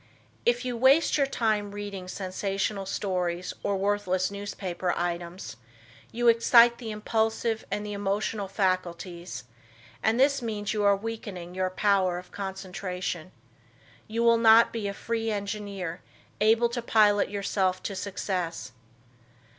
If you waste your time reading sensational stories or worthless newspaper items, you excite the impulsive and the emotional faculties, and this means you are weakening your power of concentration. You will not be a free engineer, able to pilot yourself to success.